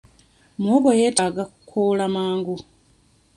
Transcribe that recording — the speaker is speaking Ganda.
Muwogo yeetaaga kukoola mangu.